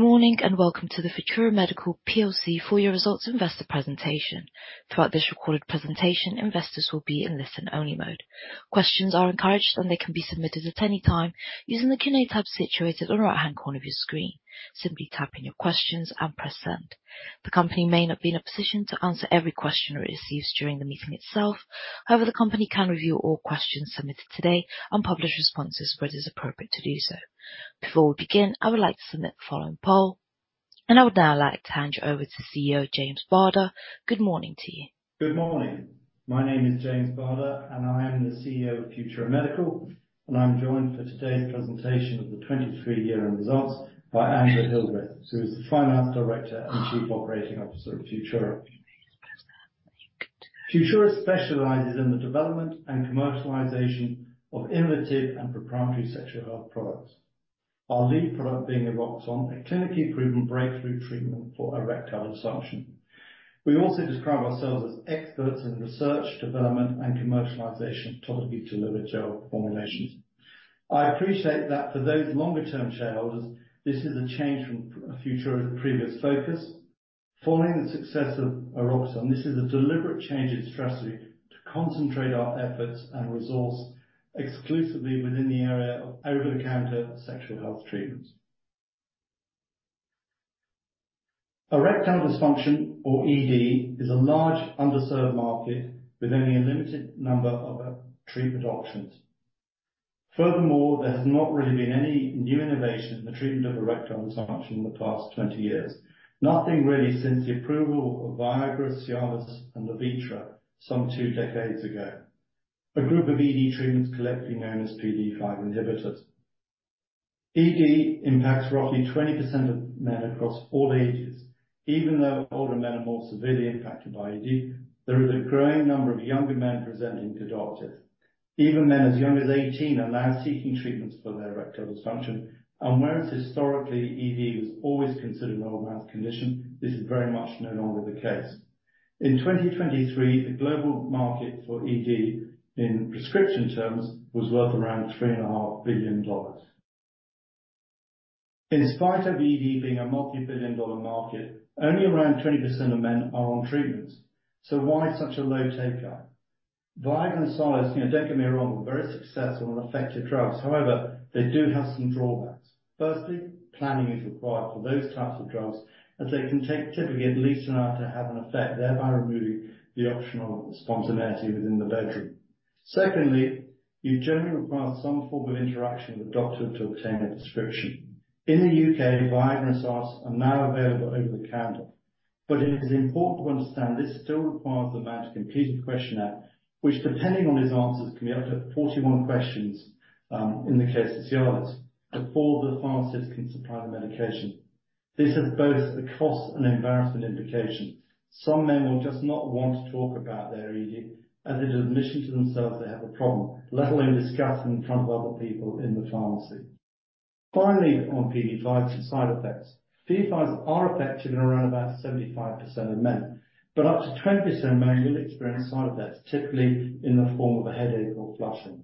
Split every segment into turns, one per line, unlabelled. Good morning, and welcome to the Futura Medical PLC Full Year Results Investor Presentation. Throughout this recorded presentation, investors will be in listen-only mode. Questions are encouraged, and they can be submitted at any time using the Q&A tab situated on the right-hand corner of your screen. Simply type in your questions and press Send. The company may not be in a position to answer every question it receives during the meeting itself. However, the company can review all questions submitted today and publish responses where it is appropriate to do so. Before we begin, I would like to submit the following poll, and I would now like to hand you over to CEO, James Barder. Good morning to you.
Good morning. My name is James Barder, and I am the CEO of Futura Medical, and I'm joined for today's presentation of the 2023 year-end results by Angela Hildreth, who is the Finance Director and Chief Operating Officer of Futura. Futura specializes in the development and commercialization of innovative and proprietary sexual health products. Our lead product being Eroxon, a clinically proven breakthrough treatment for erectile dysfunction. We also describe ourselves as experts in research, development, and commercialization of topically delivered gel formulations. I appreciate that for those longer-term shareholders, this is a change from Futura's previous focus. Following the success of Eroxon, this is a deliberate change in strategy to concentrate our efforts and resource exclusively within the area of over-the-counter sexual health treatments. Erectile dysfunction, or ED, is a large underserved market with only a limited number of treatment options. Furthermore, there's not really been any new innovation in the treatment of erectile dysfunction in the past 20 years. Nothing really since the approval of Viagra, Cialis, and Levitra some two decades ago. A group of ED treatments collectively known as PDE5 inhibitors. ED impacts roughly 20% of men across all ages. Even though older men are more severely impacted by ED, there is a growing number of younger men presenting to doctors. Even men as young as 18 are now seeking treatments for their erectile dysfunction. And whereas historically, ED was always considered an old man's condition, this is very much no longer the case. In 2023, the global market for ED, in prescription terms, was worth around $3.5 billion. In spite of ED being a multi-billion dollar market, only around 20% of men are on treatments. So why such a low take-up? Viagra and Cialis, you know, don't get me wrong, were very successful and effective drugs. However, they do have some drawbacks. Firstly, planning is required for those types of drugs, as they can take typically at least an hour to have an effect, thereby removing the option of spontaneity within the bedroom. Secondly, you generally require some form of interaction with a doctor to obtain a prescription. In the UK, Viagra and Cialis are now available over the counter, but it is important to understand this still requires the man to complete a questionnaire, which, depending on his answers, can be up to 41 questions in the case of Cialis, before the pharmacist can supply the medication. This has both a cost and embarrassment implication. Some men will just not want to talk about their ED as an admission to themselves they have a problem, let alone discuss it in front of other people in the pharmacy. Finally, on PDE5s, some side effects. PDE5s are effective in around about 75% of men, but up to 20% of men will experience side effects, typically in the form of a headache or flushing.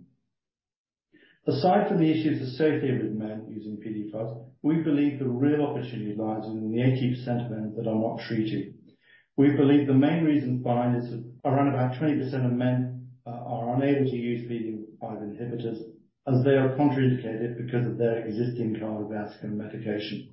Aside from the issues associated with men using PDE5s, we believe the real opportunity lies in the 80% of men that are not treated. We believe the main reason why is that around about 20% of men are unable to use PDE5 inhibitors as they are contraindicated because of their existing cardiovascular medication.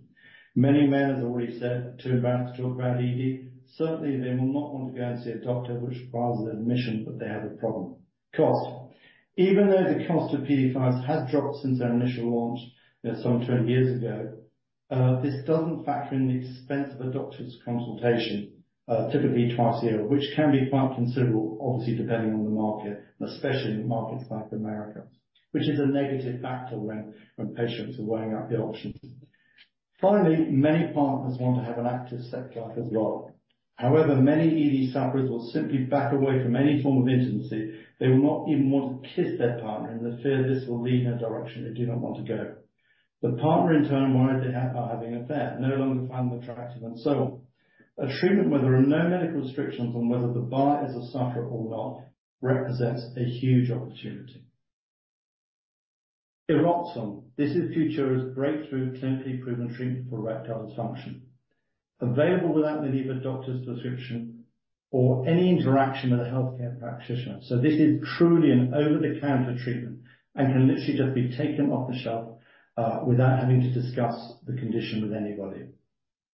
Many men, as I've already said, too embarrassed to talk about ED. Certainly, they will not want to go and see a doctor, which requires an admission that they have a problem. Cost. Even though the cost of PDE5s has dropped since their initial launch some 20 years ago, this doesn't factor in the expense of a doctor's consultation, typically twice a year, which can be quite considerable, obviously, depending on the market, especially in markets like America, which is a negative factor when patients are weighing up the options. Finally, many partners want to have an active sex life as well. However, many ED sufferers will simply back away from any form of intimacy. They will not even want to kiss their partner in the fear this will lead in a direction they do not want to go. The partner, in turn, worries they are having an affair, no longer find them attractive, and so on. A treatment where there are no medical restrictions on whether the buyer is a sufferer or not, represents a huge opportunity. Eroxon. This is Futura's breakthrough, clinically proven treatment for erectile dysfunction. Available without the need of a doctor's prescription or any interaction with a healthcare practitioner, so this is truly an over-the-counter treatment and can literally just be taken off the shelf, without having to discuss the condition with anybody,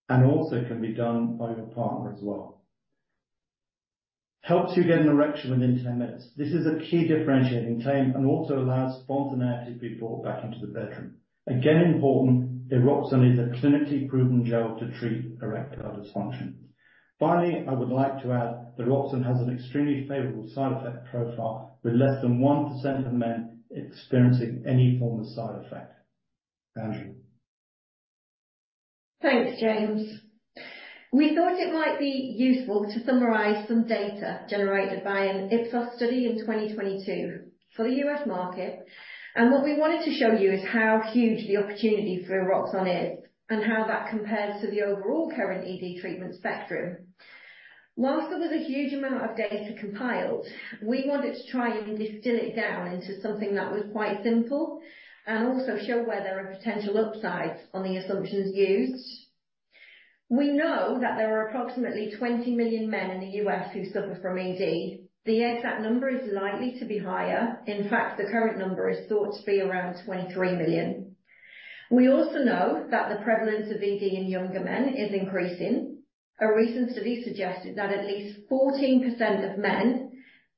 and also can be done by your partner as well. Helps you get an erection within 10 minutes. This is a key differentiating time and also allows spontaneity to be brought back into the bedroom. Again, important, Eroxon is a clinically proven gel to treat erectile dysfunction. Finally, I would like to add that Eroxon has an extremely favorable side effect profile, with less than 1% of men experiencing any form of side effect. Angela?
Thanks, James. We thought it might be useful to summarize some data generated by an Ipsos study in 2022 for the US market, and what we wanted to show you is how huge the opportunity for Eroxon is and how that compares to the overall current ED treatment spectrum.... While there was a huge amount of data compiled, we wanted to try and distill it down into something that was quite simple, and also show where there are potential upsides on the assumptions used. We know that there are approximately 20 million men in the U.S. who suffer from ED. The exact number is likely to be higher. In fact, the current number is thought to be around 23 million. We also know that the prevalence of ED in younger men is increasing. A recent study suggested that at least 14% of men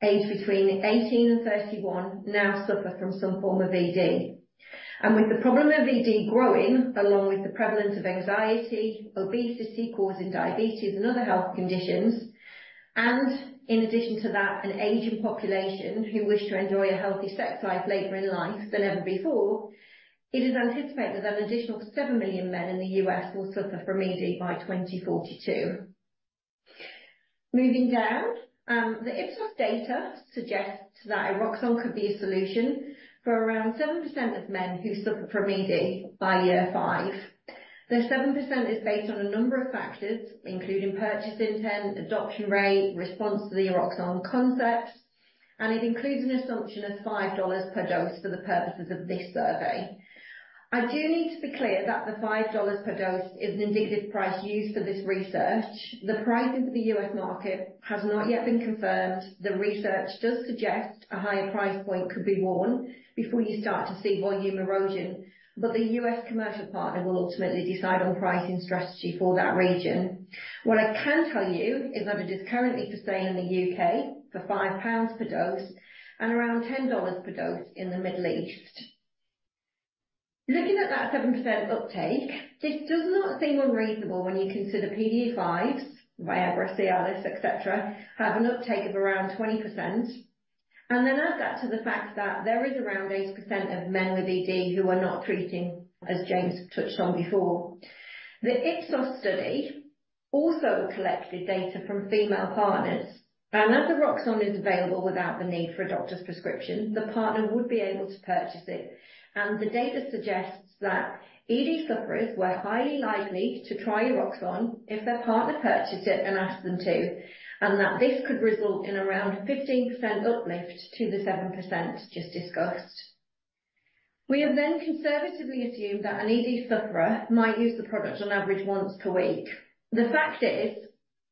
aged between 18 and 31 now suffer from some form of ED. With the problem of ED growing, along with the prevalence of anxiety, obesity causing diabetes and other health conditions, and in addition to that, an aging population who wish to enjoy a healthy sex life later in life than ever before, it is anticipated that an additional 7 million men in the U.S. will suffer from ED by 2042. Moving down, the Ipsos data suggests that Eroxon could be a solution for around 7% of men who suffer from ED by year 5. The 7% is based on a number of factors, including purchase intent, adoption rate, response to the Eroxon concept, and it includes an assumption of $5 per dose for the purposes of this survey. I do need to be clear that the $5 per dose is an indicative price used for this research. The pricing for the US market has not yet been confirmed. The research does suggest a higher price point could be borne before you start to see volume erosion, but the US commercial partner will ultimately decide on pricing strategy for that region. What I can tell you is that it is currently for sale in the UK for 5 pounds per dose and around $10 per dose in the Middle East. Looking at that 7% uptake, this does not seem unreasonable when you consider PDE5s, Viagra, Cialis, et cetera, have an uptake of around 20%. And then add that to the fact that there is around 80% of men with ED who are not treating, as James touched on before. The Ipsos study also collected data from female partners, and as Eroxon is available without the need for a doctor's prescription, the partner would be able to purchase it. The data suggests that ED sufferers were highly likely to try Eroxon if their partner purchased it and asked them to, and that this could result in around 15% uplift to the 7% just discussed. We have then conservatively assumed that an ED sufferer might use the product on average once per week. The fact is,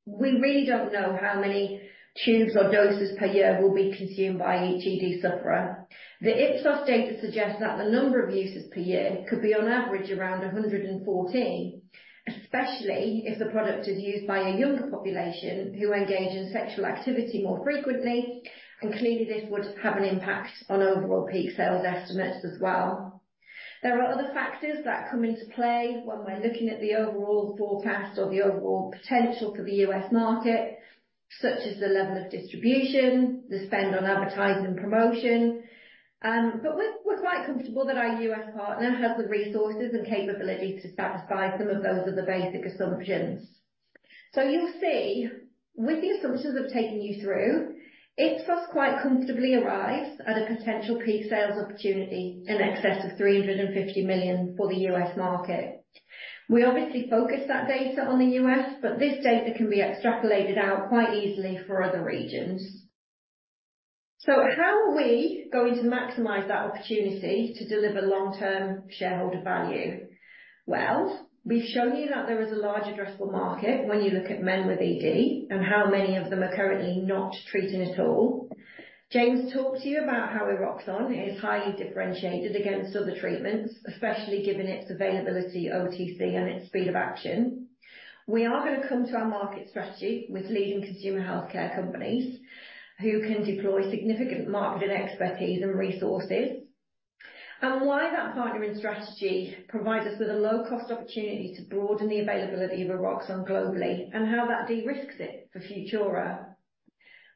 we really don't know how many tubes or doses per year will be consumed by each ED sufferer. The Ipsos data suggests that the number of uses per year could be on average around 114, especially if the product is used by a younger population who engage in sexual activity more frequently, and clearly, this would have an impact on overall peak sales estimates as well. There are other factors that come into play when we're looking at the overall forecast or the overall potential for the U.S. market, such as the level of distribution, the spend on advertising and promotion. But we're quite comfortable that our U.S. partner has the resources and capabilities to satisfy some of those other basic assumptions. So you'll see, with the assumptions I've taken you through, Ipsos quite comfortably arrives at a potential peak sales opportunity in excess of $350 million for the U.S. market. We obviously focus that data on the US, but this data can be extrapolated out quite easily for other regions. So how are we going to maximize that opportunity to deliver long-term shareholder value? Well, we've shown you that there is a large addressable market when you look at men with ED and how many of them are currently not treating at all. James talked to you about how Eroxon is highly differentiated against other treatments, especially given its availability OTC and its speed of action. We are going to come to our market strategy with leading consumer healthcare companies, who can deploy significant marketing expertise and resources. And why that partnering strategy provides us with a low-cost opportunity to broaden the availability of Eroxon globally, and how that de-risks it for Futura.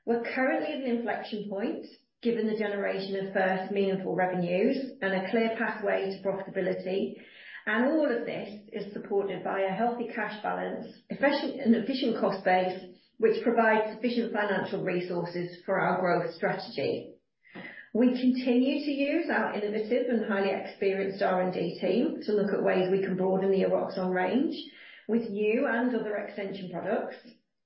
We're currently at an inflection point, given the generation of first meaningful revenues and a clear pathway to profitability. All of this is supported by a healthy cash balance, especially an efficient cost base, which provides sufficient financial resources for our growth strategy. We continue to use our innovative and highly experienced R&D team to look at ways we can broaden the Eroxon range with new and other extension products.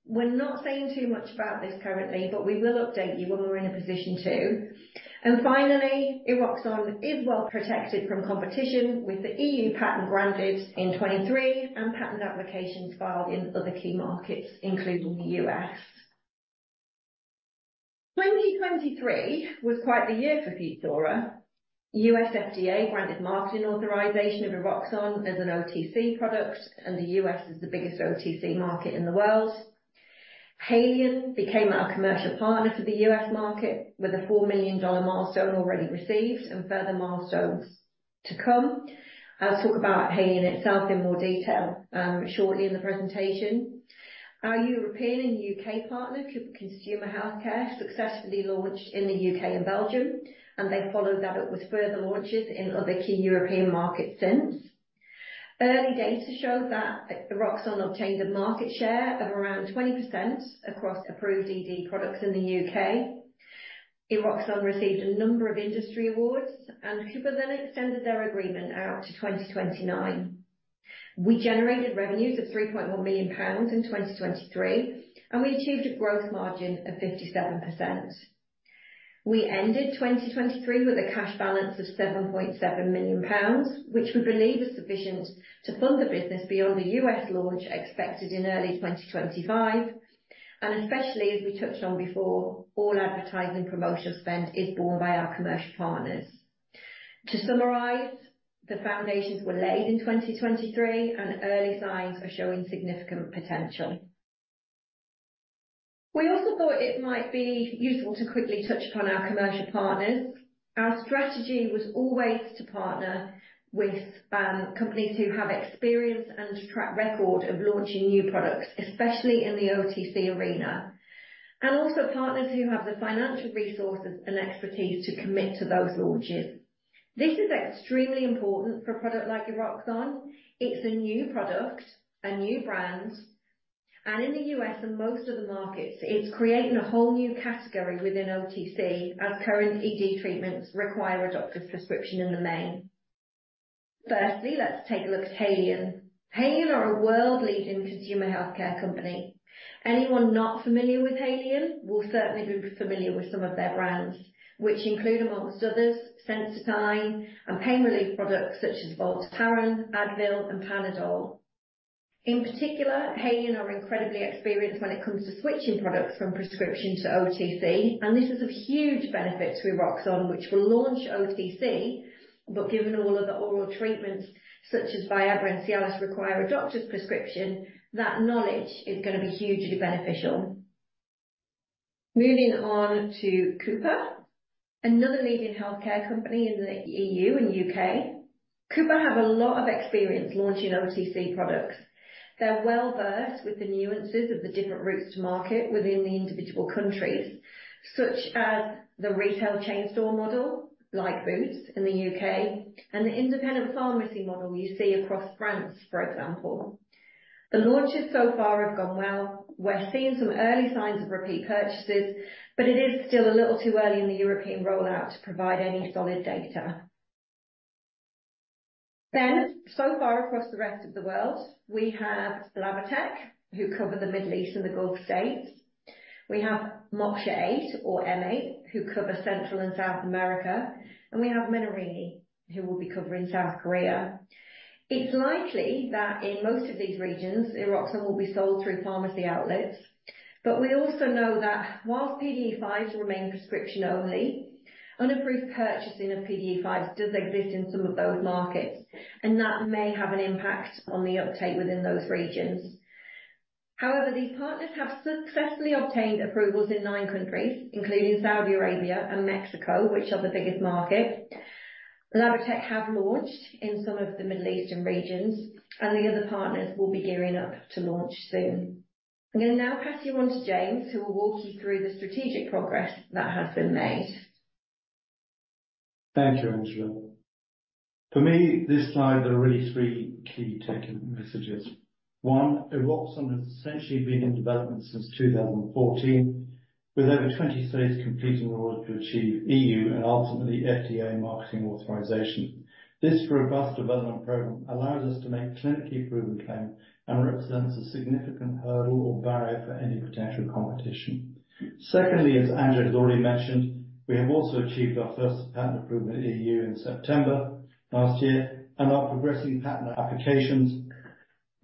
We're not saying too much about this currently, but we will update you when we're in a position to. And finally, Eroxon is well protected from competition, with the EU patent granted in 2023, and patent applications filed in other key markets, including the US. 2023 was quite the year for Futura. US FDA granted marketing authorization of Eroxon as an OTC product, and the US is the biggest OTC market in the world. Haleon became our commercial partner for the US market, with a $4 million milestone already received and further milestones to come. I'll talk about Haleon itself in more detail, shortly in the presentation. Our European and UK partner, Cooper Consumer Health, successfully launched in the UK and Belgium, and they followed that up with further launches in other key European markets since. Early data showed that Eroxon obtained a market share of around 20% across approved ED products in the UK. Eroxon received a number of industry awards, and Cooper then extended their agreement out to 2029. We generated revenues of 3.1 million pounds in 2023, and we achieved a gross margin of 57%. We ended 2023 with a cash balance of 7.7 million pounds, which we believe is sufficient to fund the business beyond the US launch, expected in early 2025, and especially, as we touched on before, all advertising and promotional spend is borne by our commercial partners. To summarize, the foundations were laid in 2023, and early signs are showing significant potential. We also thought it might be useful to quickly touch upon our commercial partners. Our strategy was always to partner with companies who have experience and track record of launching new products, especially in the OTC arena, and also partners who have the financial resources and expertise to commit to those launches. This is extremely important for a product like Eroxon. It's a new product, a new brand, and in the U.S. and most of the markets, it's creating a whole new category within OTC, as current ED treatments require a doctor's prescription in the main. Firstly, let's take a look at Haleon. Haleon are a world-leading consumer healthcare company. Anyone not familiar with Haleon will certainly be familiar with some of their brands, which include, amongst others, Sensodyne and pain relief products such as Voltaren, Advil and Panadol. In particular, Haleon are incredibly experienced when it comes to switching products from prescription to OTC, and this is of huge benefit to Eroxon, which will launch OTC. But given all of the oral treatments, such as Viagra and Cialis, require a doctor's prescription, that knowledge is gonna be hugely beneficial. Moving on to Cooper, another leading healthcare company in the E.U. and U.K. Cooper have a lot of experience launching OTC products. They're well-versed with the nuances of the different routes to market within the individual countries, such as the retail chain store model, like Boots in the UK, and the independent pharmacy model you see across France, for example. The launches so far have gone well. We're seeing some early signs of repeat purchases, but it is still a little too early in the European rollout to provide any solid data. So far across the rest of the world, we have Labatec, who cover the Middle East and the Gulf States. We have M8, who cover Central and South America, and we have Menarini, who will be covering South Korea. It's likely that in most of these regions, Eroxon will be sold through pharmacy outlets. But we also know that while PDE5s remain prescription-only, unapproved purchasing of PDE5s does exist in some of those markets, and that may have an impact on the uptake within those regions. However, these partners have successfully obtained approvals in nine countries, including Saudi Arabia and Mexico, which are the biggest markets. Labatec have launched in some of the Middle Eastern regions, and the other partners will be gearing up to launch soon. I'm going to now pass you on to James, who will walk you through the strategic progress that has been made.
Thank you, Angela. For me, this slide, there are really three key takeaway messages. One, Eroxon has essentially been in development since 2014, with over 20 studies completed in order to achieve EU and ultimately FDA marketing authorization. This robust development program allows us to make clinically proven claim and represents a significant hurdle or barrier for any potential competition. Secondly, as Angela has already mentioned, we have also achieved our first patent approval in EU in September last year, and are progressing patent applications,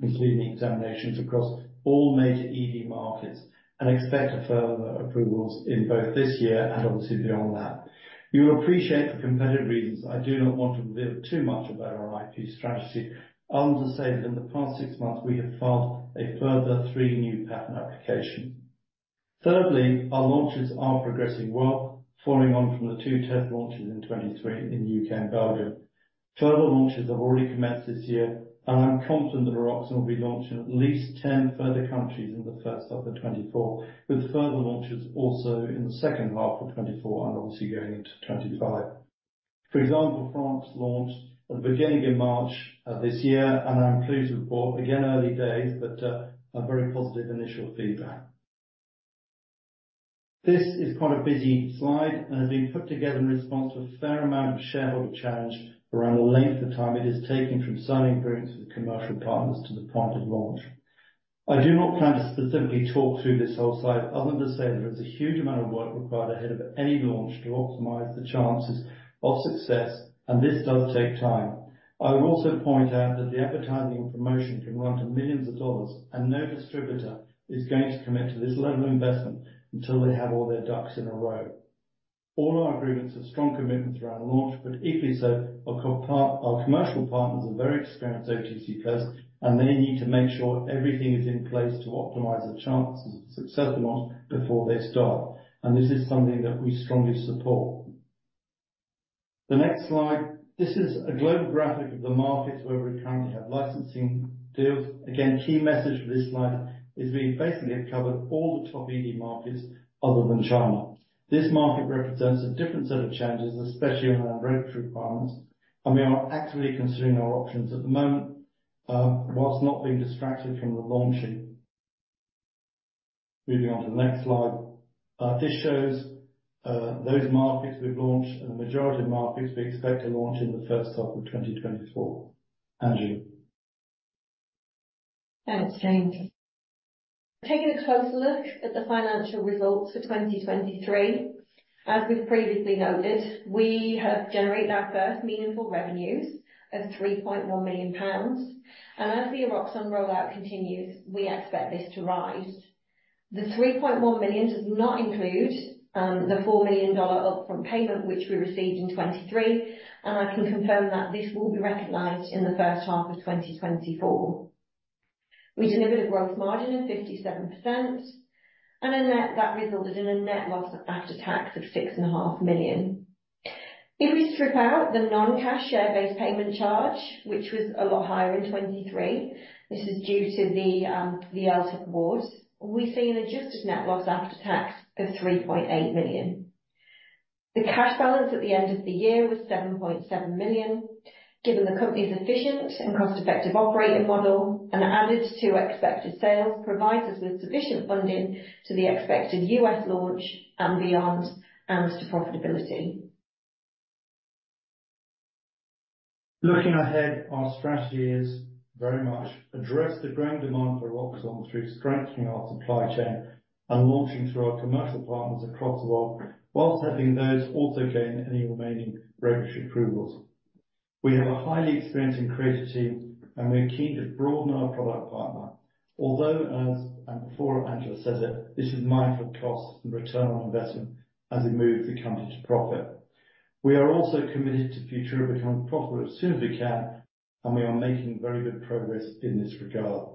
including examinations across all major ED markets, and expect further approvals in both this year and obviously beyond that. You'll appreciate for competitive reasons, I do not want to reveal too much about our IP strategy, other than to say that in the past 6 months, we have filed a further 3 new patent applications. Thirdly, our launches are progressing well, following on from the 2 test launches in 2023 in UK and Belgium. Further launches have already commenced this year, and I'm confident that Eroxon will be launched in at least 10 further countries in the H1 of 2024, with further launches also in the H2 of 2024 and obviously going into 2025. For example, France launched at the beginning of March this year, and I'm pleased to report, again, early days, but a very positive initial feedback. This is quite a busy slide and has been put together in response to a fair amount of shareholder challenge around the length of time it has taken from signing agreements with commercial partners to the point of launch. I do not plan to specifically talk through this whole slide, other than to say there is a huge amount of work required ahead of any launch to optimize the chances of success, and this does take time. I would also point out that the advertising and promotion can run to $ millions, and no distributor is going to commit to this level of investment until they have all their ducks in a row. All our agreements have strong commitments around launch, but equally so, our commercial partners are very experienced OTC players, and they need to make sure everything is in place to optimize the chances of success or not before they start. This is something that we strongly support. The next slide. This is a global graphic of the markets where we currently have licensing deals. Again, key message for this slide is we basically have covered all the top ED markets other than China. This market represents a different set of challenges, especially around regulatory requirements, and we are actively considering our options at the moment, whilst not being distracted from the launching.... Moving on to the next slide. This shows those markets we've launched and the majority of markets we expect to launch in the H1 of 2024. Angela?
Thanks, James. Taking a closer look at the financial results for 2023, as we've previously noted, we have generated our first meaningful revenues of 3.1 million pounds. As the Eroxon rollout continues, we expect this to rise. The 3.1 million does not include the GBP 4 million upfront payment, which we received in 2023, and I can confirm that this will be recognized in the H1 of 2024. We delivered a gross margin of 57%, and that resulted in a net loss after tax of 6.5 million. If we strip out the non-cash share-based payment charge, which was a lot higher in 2023, this is due to the LTIP awards, we see an adjusted net loss after tax of 3.8 million. The cash balance at the end of the year was 7.7 million, given the company's efficient and cost-effective operating model, and added to expected sales, provides us with sufficient funding to the expected U.S. launch and beyond, and to profitability.
Looking ahead, our strategy is very much address the growing demand for Eroxon through strengthening our supply chain and launching through our commercial partners across the world, while helping those also gain any remaining regulatory approvals. We have a highly experienced and creative team, and we're keen to broaden our product pipeline. Although, as and before Angela says it, this is mindful of cost and return on investment as we move the company to profit. We are also committed to Futura becoming profitable as soon as we can, and we are making very good progress in this regard.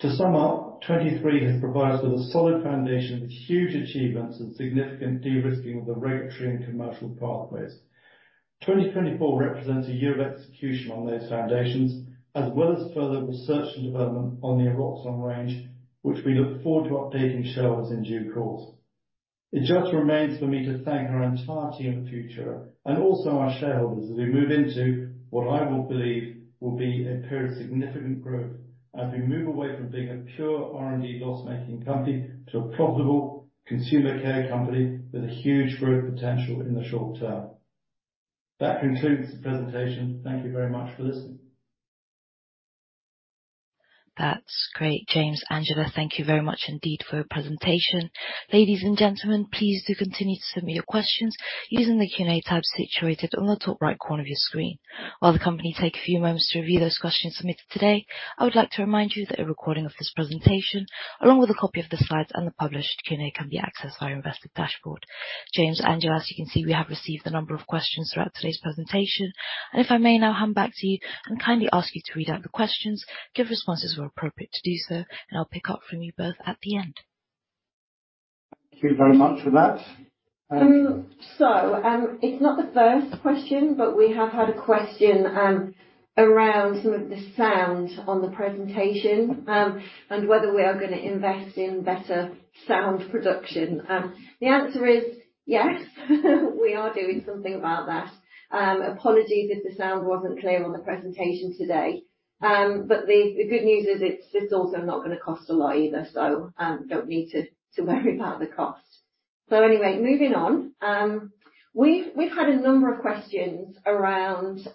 To sum up, 2023 has provided us with a solid foundation, with huge achievements and significant de-risking of the regulatory and commercial pathways. 2024 represents a year of execution on those foundations, as well as further research and development on the Eroxon range, which we look forward to updating shareholders in due course. It just remains for me to thank our entire team at Futura, and also our shareholders, as we move into what I will believe will be a period of significant growth, as we move away from being a pure R&D loss-making company to a profitable consumer care company with a huge growth potential in the short term. That concludes the presentation. Thank you very much for listening.
That's great, James. Angela, thank you very much indeed for your presentation. Ladies and gentlemen, please do continue to submit your questions using the Q&A tab situated on the top right corner of your screen. While the company take a few moments to review those questions submitted today, I would like to remind you that a recording of this presentation, along with a copy of the slides and the published Q&A, can be accessed via your investment dashboard. James, Angela, as you can see, we have received a number of questions throughout today's presentation, and if I may now hand back to you and kindly ask you to read out the questions, give responses where appropriate to do so, and I'll pick up from you both at the end.
Thank you very much for that. Angela?
So, it's not the first question, but we have had a question around some of the sound on the presentation, and whether we are gonna invest in better sound production. The answer is yes, we are doing something about that. Apologies if the sound wasn't clear on the presentation today. But the good news is, it's also not gonna cost a lot either, so don't need to worry about the cost. So anyway, moving on, we've had a number of questions around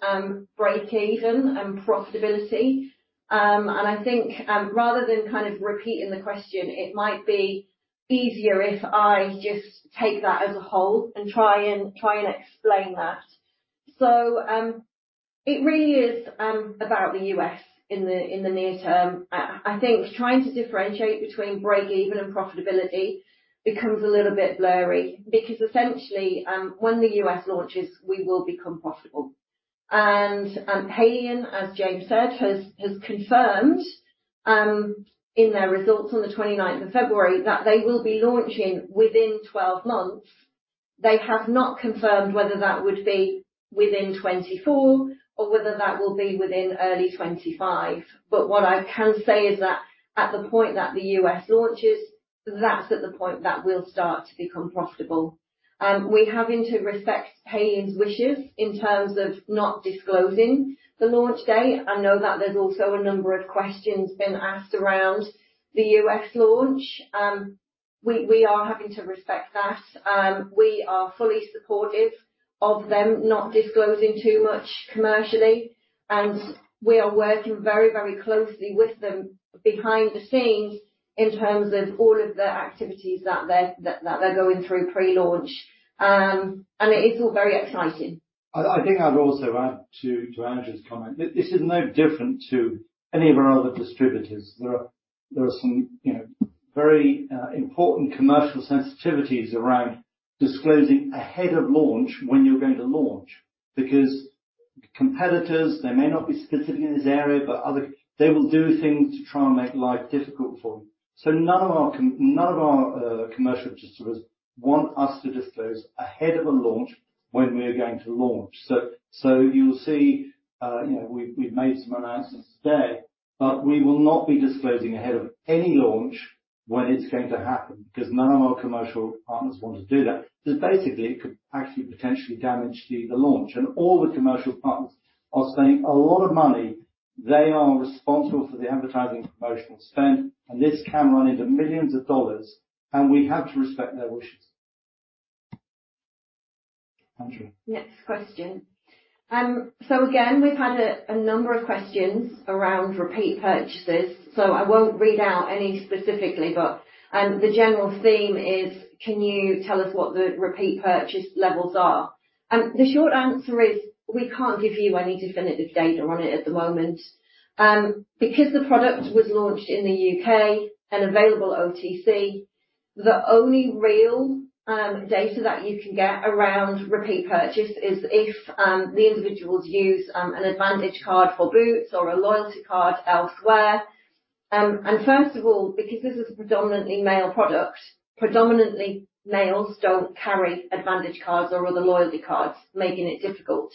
breakeven and profitability. And I think, rather than kind of repeating the question, it might be easier if I just take that as a whole and try and explain that. So, it really is about the U.S. in the near term. I think trying to differentiate between breakeven and profitability becomes a little bit blurry, because essentially, when the U.S. launches, we will become profitable. And, Haleon, as James said, has confirmed, in their results on the 29th of February, that they will be launching within 12 months. They have not confirmed whether that would be within 2024, or whether that will be within early 2025. But what I can say is that at the point that the U.S. launches, that's at the point that we'll start to become profitable. We have had to respect Haleon's wishes in terms of not disclosing the launch date. I know that there's also a number of questions being asked around the U.S. launch. We are having to respect that. We are fully supportive of them not disclosing too much commercially, and we are working very, very closely with them behind the scenes in terms of all of the activities that they're going through pre-launch. And it is all very exciting.
I think I'd also add to Angela's comment. This is no different to any of our other distributors. There are some, you know, very important commercial sensitivities around disclosing ahead of launch when you're going to launch, because competitors, they may not be specific in this area, but other they will do things to try and make life difficult for you. So none of our commercial distributors want us to disclose ahead of a launch when we are going to launch. So you'll see, you know, we've made some announcements today, but we will not be disclosing ahead of any launch when it's going to happen, because none of our commercial partners want to do that. Because basically, it could actually potentially damage the launch. And all the commercial partners are spending a lot of money. They are responsible for the advertising promotional spend, and this can run into millions of dollars, and we have to respect their wishes. Angela?
Next question. So again, we've had a number of questions around repeat purchases, so I won't read out any specifically, but the general theme is: Can you tell us what the repeat purchase levels are? And the short answer is, we can't give you any definitive data on it at the moment. Because the product was launched in the UK and available OTC, the only real data that you can get around repeat purchase is if the individuals use an Advantage Card for Boots or a loyalty card elsewhere. And first of all, because this is a predominantly male product, predominantly males don't carry Advantage Cards or other loyalty cards, making it difficult.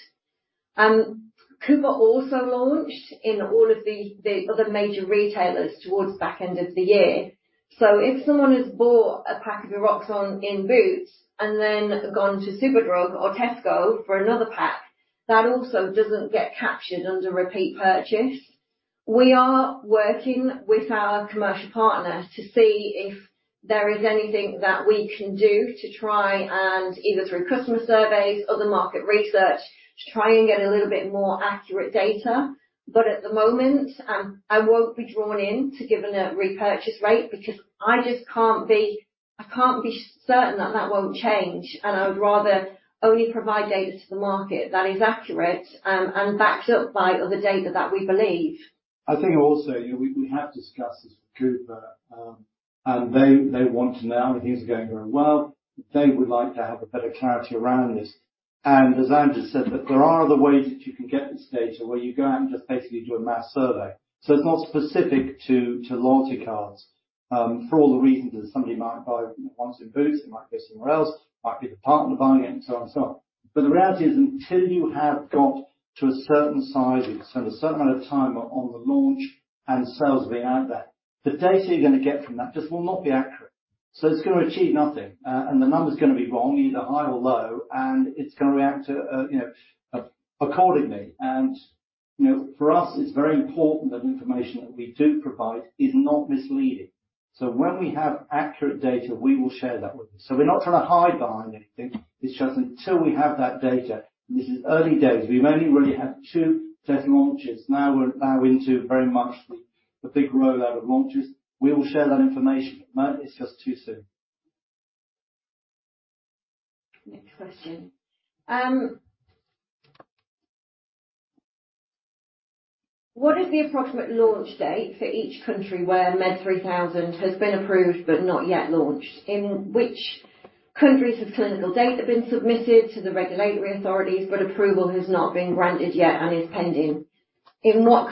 Cooper also launched in all of the other major retailers towards back end of the year. So if someone has bought a pack of Eroxon in Boots and then gone to Superdrug or Tesco for another pack, that also doesn't get captured under repeat purchase. We are working with our commercial partners to see if there is anything that we can do to try and, either through customer surveys or other market research, to try and get a little bit more accurate data. But at the moment, I won't be drawn in to giving a repurchase rate because I just can't be certain that that won't change, and I would rather only provide data to the market that is accurate, and backed up by other data that we believe.
I think also, you know, we have discussed this with Cooper, and they want to know, and things are going very well. They would like to have a better clarity around this. And as Angela said, that there are other ways that you can get this data, where you go out and just basically do a mass survey. So it's not specific to loyalty cards, for all the reasons that somebody might buy once in Boots, they might go somewhere else, might be the partner buying it, and so on and so on. But the reality is, until you have got to a certain size and a certain amount of time on the launch and sales being out there, the data you're going to get from that just will not be accurate. So it's going to achieve nothing, and the number's going to be wrong, either high or low, and it's going to react, you know, accordingly. You know, for us, it's very important that information that we do provide is not misleading. When we have accurate data, we will share that with you. We're not trying to hide behind anything. It's just until we have that data, and this is early days, we've only really had two test launches. Now we're into very much the big rollout of launches. We will share that information. But it's just too soon.
Next question. "What is the approximate launch date for each country where MED3000 has been approved but not yet launched? In which countries has clinical data been submitted to the regulatory authorities, but approval has not been granted yet and is pending? In what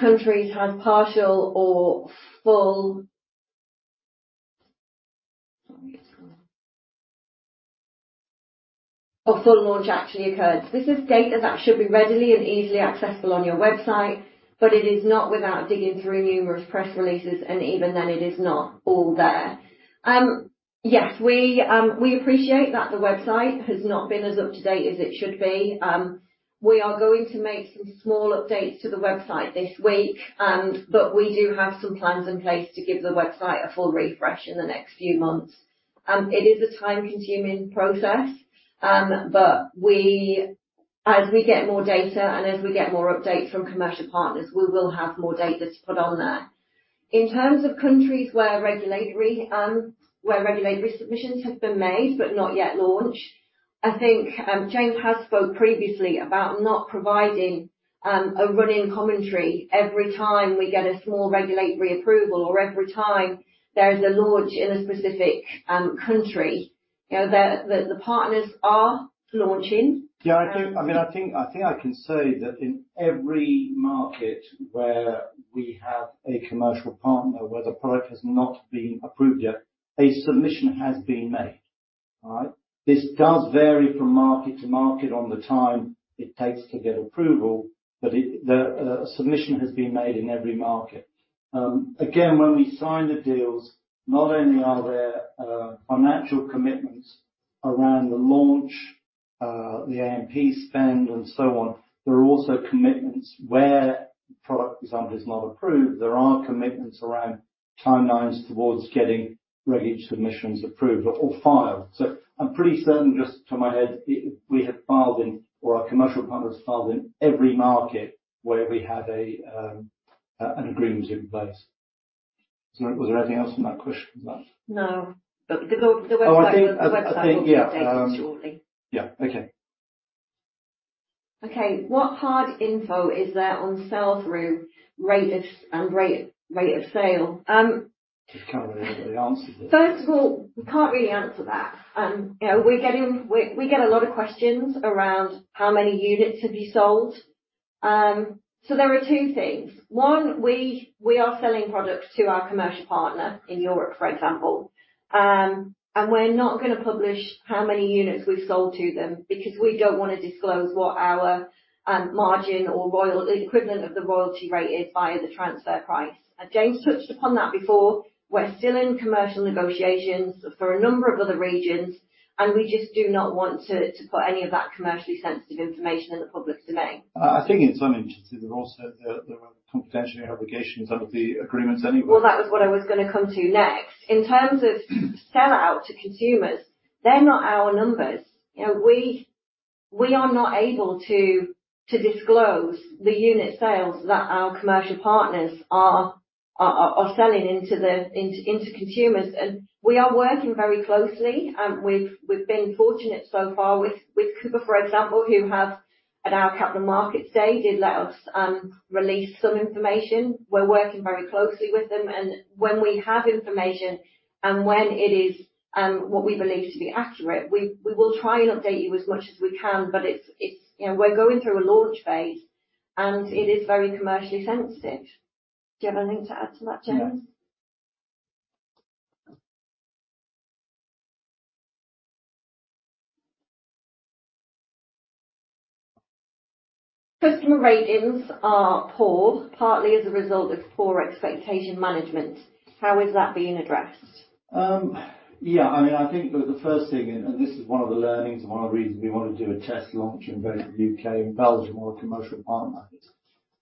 countries have partial or full launch actually occurred? This is data that should be readily and easily accessible on your website, but it is not without digging through numerous press releases, and even then, it is not all there." Yes, we appreciate that the website has not been as up-to-date as it should be. We are going to make some small updates to the website this week, but we do have some plans in place to give the website a full refresh in the next few months. It is a time-consuming process, but as we get more data and as we get more updates from commercial partners, we will have more data to put on there. In terms of countries where regulatory submissions have been made but not yet launched, I think James has spoke previously about not providing a running commentary every time we get a small regulatory approval or every time there is a launch in a specific country. You know, the partners are launching.
Yeah, I think, I mean, I think, I think I can say that in every market where we have a commercial partner, where the product has not been approved yet, a submission has been made. All right? This does vary from market to market on the time it takes to get approval, but it, the, submission has been made in every market. Again, when we sign the deals, not only are there, financial commitments around the launch, the A&P spend and so on, there are also commitments where product, for example, is not approved, there are commitments around timelines towards getting regulatory submissions approved or filed. So I'm pretty certain, just to my head, we have filed in, or our commercial partners filed in every market where we have a, an agreement in place. So was there anything else in that question about-
No. But the website-
Oh, I think, yeah.
Will be updated shortly.
Yeah. Okay.
Okay. "What hard info is there on sell-through rates and rate, rate of sale?
Just can't really answer this.
First of all, we can't really answer that. You know, we get a lot of questions around how many units have you sold. So there are two things. One, we are selling products to our commercial partner in Europe, for example. We're not gonna publish how many units we've sold to them, because we don't want to disclose what our margin or royalty, the equivalent of the royalty rate, is via the transfer price. As James touched upon that before, we're still in commercial negotiations for a number of other regions, and we just do not want to put any of that commercially sensitive information in the public domain.
I think in some instances, there are also confidential obligations under the agreements anyway.
Well, that was what I was gonna come to next. In terms of sellout to consumers, they're not our numbers. You know, we are not able to disclose the unit sales that our commercial partners are selling into consumers. And we are working very closely, and we've been fortunate so far with Cooper, for example, who have, at our Capital Markets Day did let us release some information. We're working very closely with them, and when we have information and when it is what we believe to be accurate, we will try and update you as much as we can. But it's-- You know, we're going through a launch phase, and it is very commercially sensitive. Do you have anything to add to that, James?
No.
Customer ratings are poor, partly as a result of poor expectation management. How is that being addressed?
Yeah, I mean, I think that the first thing, and this is one of the learnings and one of the reasons we want to do a test launch in both UK and Belgium, with a commercial partner.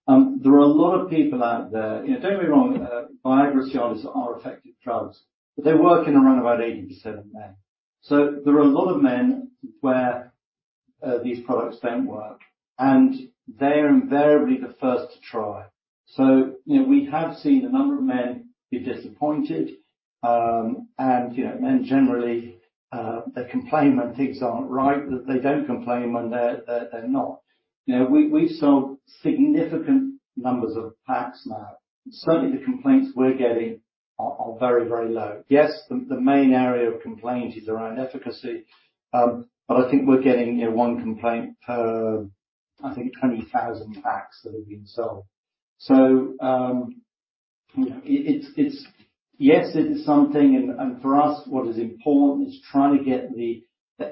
There are a lot of people out there... You know, don't get me wrong, Viagra, Cialis are effective drugs, but they work in around about 80% of men. So there are a lot of men where these products don't work, and they are invariably the first to try. So, you know, we have seen a number of men be disappointed, and, you know, men generally, they complain when things aren't right, that they don't complain when they're not. You know, we, we've sold significant numbers of packs now. Certainly, the complaints we're getting are very, very low. Yes, the main area of complaint is around efficacy, but I think we're getting, you know, one complaint per, I think, 20,000 packs that have been sold. So, you know, it, it's—Yes, it is something, and for us, what is important is trying to get the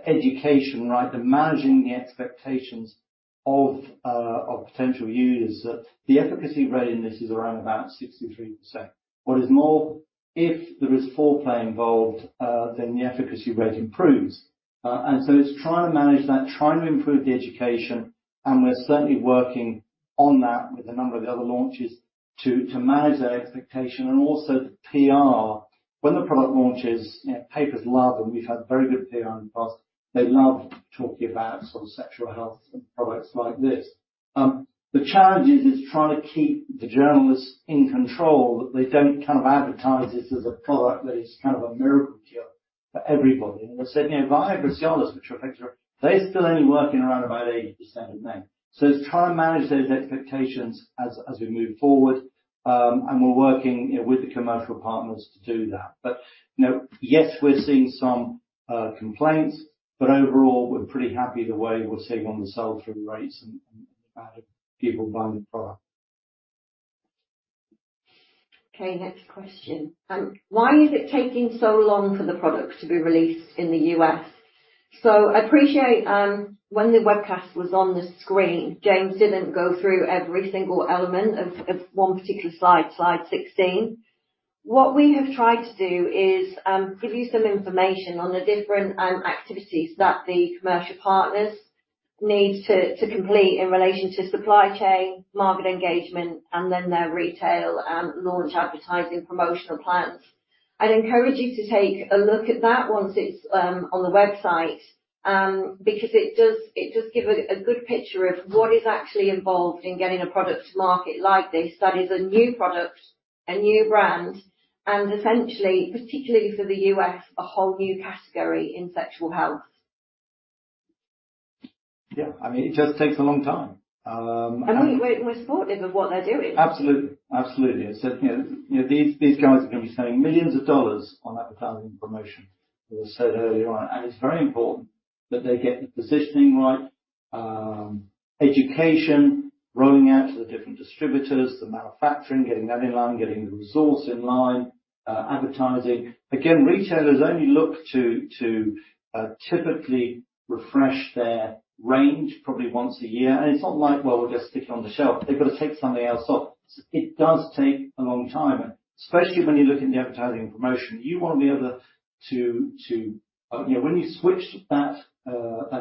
education right, managing the expectations of potential users. The efficacy rate in this is around about 63%. What is more, if there is foreplay involved, then the efficacy rate improves. And so it's trying to manage that, trying to improve the education, and we're certainly working on that with a number of the other launches, to manage that expectation and also the PR. When the product launches, you know, papers love them. We've had very good PR in the past. They love talking about sort of sexual health and products like this. The challenge is trying to keep the journalists in control, that they don't kind of advertise this as a product that is kind of a miracle cure for everybody. And they said, you know, Viagra, Cialis, which are effective, they still only work in around about 80% of men. So it's trying to manage those expectations as we move forward. And we're working, you know, with the commercial partners to do that. But, you know, yes, we're seeing some complaints, but overall, we're pretty happy the way we're sitting on the sell-through rates and the amount of people buying the product.
Okay, next question. "Why is it taking so long for the product to be released in the U.S.?" So I appreciate when the webcast was on the screen, James didn't go through every single element of one particular slide, slide 16. What we have tried to do is produce some information on the different activities that the commercial partners need to complete in relation to supply chain, market engagement, and then their retail launch, advertising, promotional plans. I'd encourage you to take a look at that once it's on the website because it does give a good picture of what is actually involved in getting a product to market like this. That is a new product, a new brand, and essentially, particularly for the U.S., a whole new category in sexual health.
Yeah, I mean, it just takes a long time.
We're supportive of what they're doing.
Absolutely. Absolutely. As I said, you know, these, these guys are going to be spending $ millions on advertising and promotion, as I said earlier on, and it's very important that they get the positioning right, education, rolling out to the different distributors, the manufacturing, getting that in line, getting the resource in line, advertising. Again, retailers only look to, to, typically refresh their range probably once a year. And it's not like, well, we'll just stick it on the shelf. They've got to take something else off. So it does take a long time, especially when you're looking at the advertising and promotion. You want to be able to, you know, when you switch that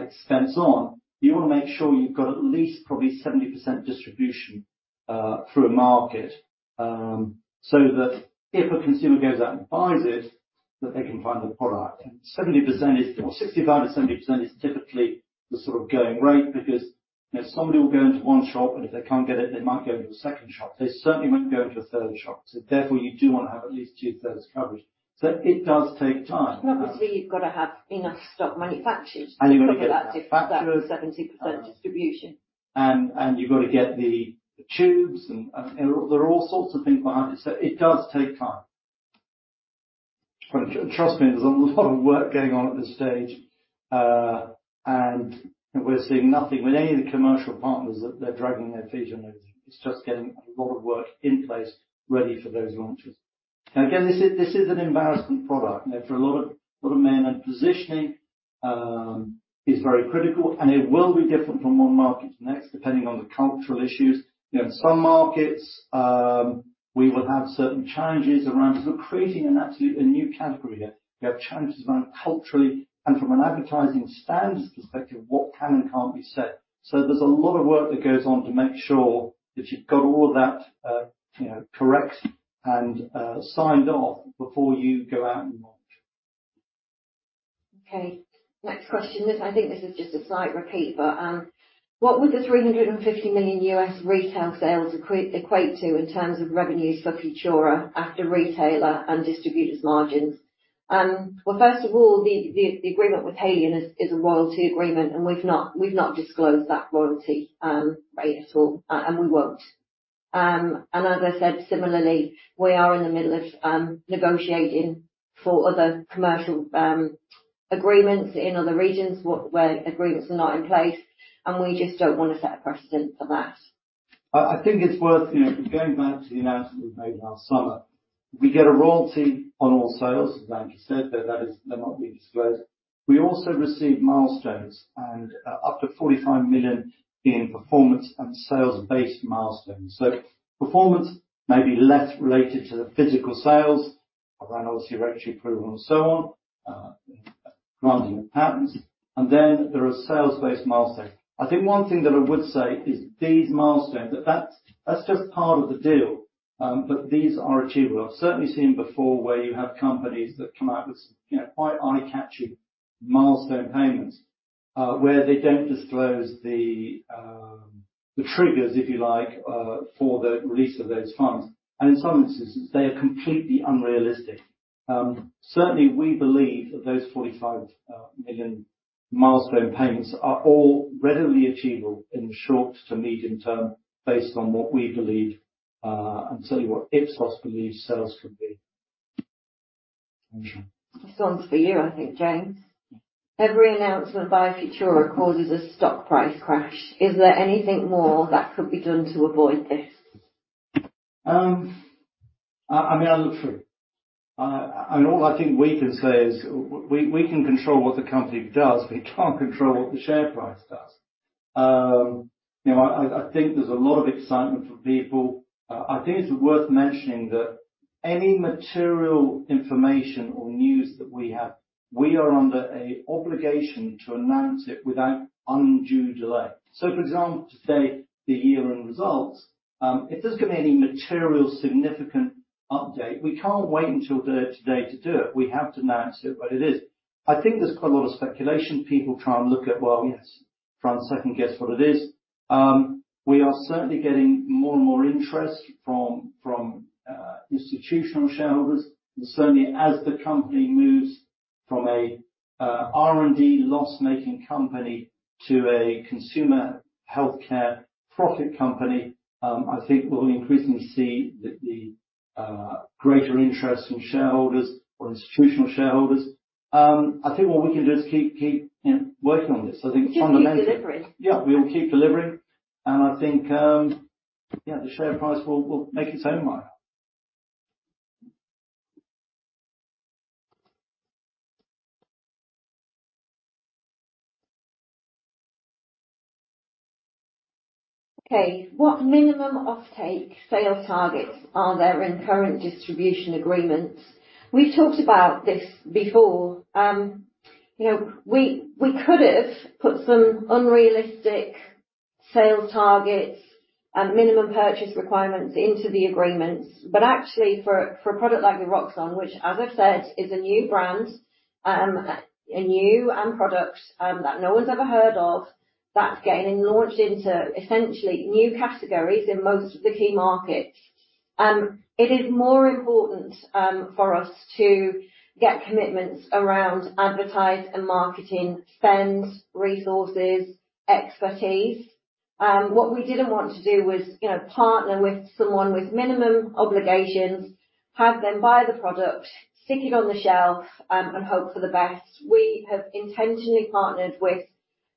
expense on, you want to make sure you've got at least probably 70% distribution through a market, so that if a consumer goes out and buys it, that they can find the product. And 70% is or 65%-70% is typically the sort of going rate, because if somebody will go into one shop, and if they can't get it, they might go into a second shop. They certainly won't go into a third shop. So therefore, you do want to have at least two-thirds coverage. So it does take time.
Obviously, you've got to have enough stock manufactured-
You've got to get the factory-
70% distribution.
You've got to get the tubes, and there are all sorts of things behind it. So it does take time. But trust me, there's a lot of work going on at this stage... and we're seeing nothing with any of the commercial partners that they're dragging their feet on anything. It's just getting a lot of work in place ready for those launches. Now, again, this is an embarrassment product, you know, for a lot of men, and positioning is very critical, and it will be different from one market to the next, depending on the cultural issues. You know, in some markets, we will have certain challenges around - We're creating an absolute new category here. We have challenges around culturally and from an advertising standards perspective, what can and can't be said. So there's a lot of work that goes on to make sure that you've got all that, you know, correct and signed off before you go out and launch.
Okay, next question. This—I think this is just a slight repeat, but what would the $350 million US retail sales equate to in terms of revenues for Futura after retailer and distributors' margins? Well, first of all, the agreement with Haleon is a royalty agreement, and we've not disclosed that royalty rate at all, and we won't. And as I said, similarly, we are in the middle of negotiating for other commercial agreements in other regions where agreements are not in place, and we just don't want to set a precedent for that.
I, I think it's worth, you know, going back to the announcement we made last summer, we get a royalty on all sales, as Annie said, though, that is not being disclosed. We also receive milestones and up to 45 million in performance and sales-based milestones. So performance may be less related to the physical sales, around, obviously, regulatory approval and so on, granting of patents, and then there are sales-based milestones. I think one thing that I would say is these milestones, that's just part of the deal, but these are achievable. I've certainly seen before where you have companies that come out with some, you know, quite eye-catching milestone payments, where they don't disclose the triggers, if you like, for the release of those funds. In some instances, they are completely unrealistic. Certainly, we believe that those $45 million milestone payments are all readily achievable in the short to medium term, based on what we believe, and certainly what Ipsos believes sales could be.
This one's for you, I think, James. Every announcement by Futura causes a stock price crash. Is there anything more that could be done to avoid this?
I mean, I look through. And all I think we can say is we can control what the company does, but we can't control what the share price does. You know, I think there's a lot of excitement from people. I think it's worth mentioning that any material information or news that we have, we are under an obligation to announce it without undue delay. So for example, to say, the year-end results, if there's going to be any material, significant update, we can't wait until the day to do it. We have to announce it what it is. I think there's quite a lot of speculation. People try and look at, well, yes, try and second-guess what it is. We are certainly getting more and more interest from institutional shareholders. Certainly, as the company moves from a R&D loss-making company to a consumer healthcare profit company, I think we'll increasingly see the greater interest from shareholders or institutional shareholders. I think what we can do is keep, keep, you know, working on this. So I think fundamentally-
Just keep delivering.
Yeah, we'll keep delivering, and I think, yeah, the share price will make its own mind.
Okay, what minimum offtake sales targets are there in current distribution agreements? We've talked about this before. You know, we could have put some unrealistic sales targets and minimum purchase requirements into the agreements, but actually, for a product like Eroxon, which, as I've said, is a new brand, a new product that no one's ever heard of, that's getting launched into essentially new categories in most of the key markets, it is more important for us to get commitments around advertising and marketing spends, resources, expertise. What we didn't want to do was, you know, partner with someone with minimum obligations, have them buy the product, stick it on the shelf, and hope for the best. We have intentionally partnered with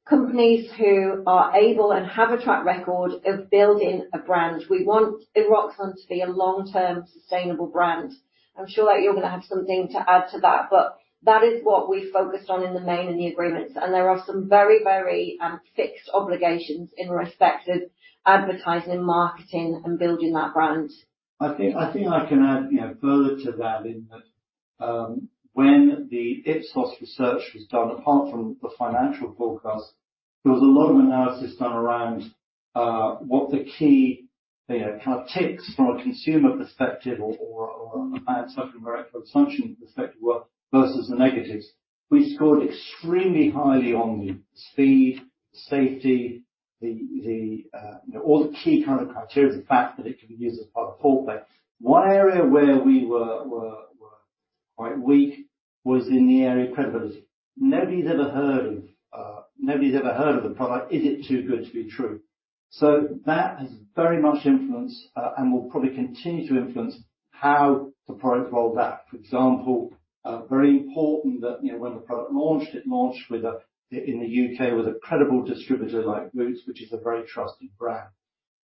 companies who are able and have a track record of building a brand. We want Eroxon to be a long-term, sustainable brand. I'm sure you're going to have something to add to that, but that is what we focused on in the main, in the agreements, and there are some very, very, fixed obligations in respect of advertising, marketing, and building that brand.
I think, I think I can add, you know, further to that, in that, when the Ipsos research was done, apart from the financial forecast, there was a lot of analysis done around what the key, you know, kind of ticks from a consumer perspective or a marketing perspective were, versus the negatives. We scored extremely highly on speed, safety, you know, all the key kind of criteria, the fact that it can be used as part of foreplay. One area where we were quite weak was in the area of credibility. Nobody's ever heard of the product. Is it too good to be true? So that has very much influenced and will probably continue to influence how the product rolls out. For example, very important that, you know, when the product launched, it launched with a in the U.K., with a credible distributor like Boots, which is a very trusted brand.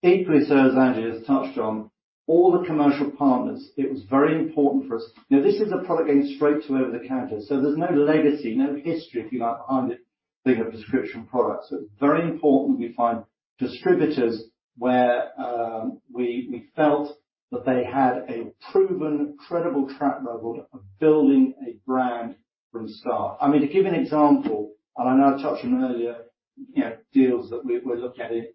Equally, so as Anfela has touched on, all the commercial partners, it was very important for us. Now, this is a product going straight to over-the-counter, so there's no legacy, no history, if you like, behind it, being a prescription product. So it's very important we find distributors where, we felt that they had a proven, credible track record of building a brand from scratch. I mean, to give you an example, and I know I touched on it earlier, you know, deals that we're looking at in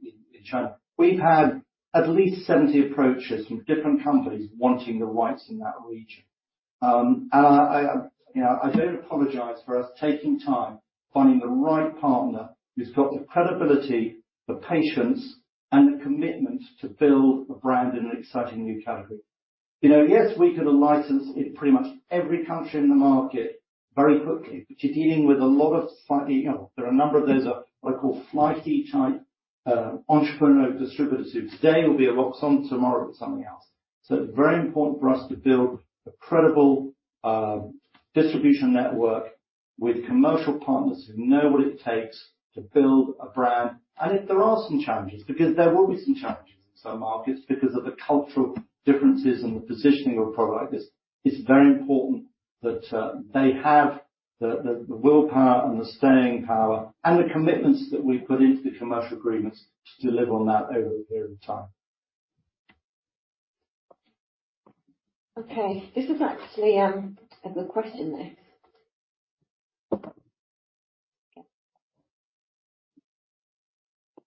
China. We've had at least 70 approaches from different companies wanting the rights in that region. And I, you know, I don't apologize for us taking time, finding the right partner who's got the credibility, the patience, and the commitment to build a brand in an exciting new category. You know, yes, we could have licensed in pretty much every country in the market very quickly, but you're dealing with a lot of fly-by-night-type, you know, entrepreneurial distributors, who today will be Eroxon, tomorrow it will be something else. So it's very important for us to build a credible distribution network with commercial partners who know what it takes to build a brand. If there are some challenges, because there will be some challenges in some markets, because of the cultural differences and the positioning of a product, it's very important that they have the willpower and the staying power and the commitments that we put into the commercial agreements to deliver on that over a period of time.
Okay, this is actually a good question this.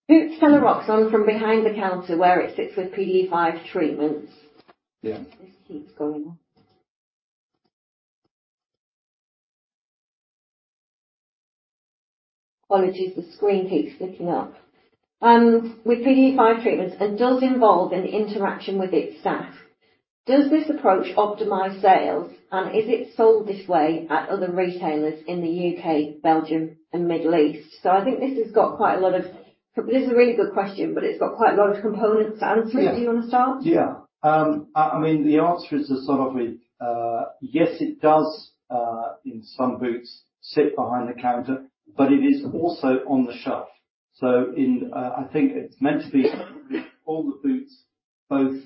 "Boots sell Eroxon from behind the counter, where it sits with PDE5 treatments.
Yeah.
This keeps going on. Apologies, the screen keeps flipping off. "With PDE5 treatments and does involve an interaction with its staff. Does this approach optimize sales, and is it sold this way at other retailers in the UK, Belgium, and Middle East?" So I think this has got quite a lot of—this is a really good question, but it's got quite a lot of components to answer it.
Yeah.
Do you want to start?
Yeah. I mean, the answer is sort of yes, it does in some Boots sites behind the counter, but it is also on the shelf. So I think it's meant to be in all the Boots, both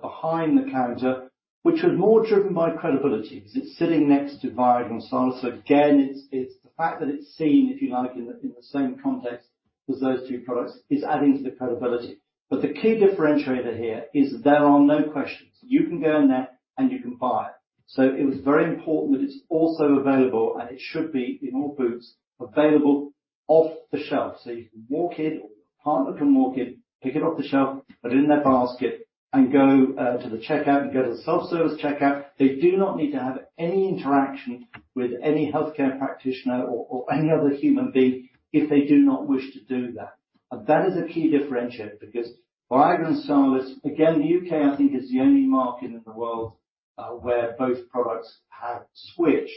behind the counter, which was more driven by credibility, because it's sitting next to Viagra and Cialis. So again, it's the fact that it's seen, if you like, in the same context as those two products, is adding to the credibility. But the key differentiator here is there are no questions. You can go in there, and you can buy it. So it was very important that it's also available, and it should be in all Boots available off the shelf. So you can walk in, or your partner can walk in, pick it off the shelf, put it in their basket and go to the checkout and go to the self-service checkout. They do not need to have any interaction with any healthcare practitioner or any other human being, if they do not wish to do that. And that is a key differentiator, because Viagra and Cialis, again, the UK, I think, is the only market in the world where both products have switched.